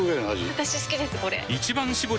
私好きですこれ！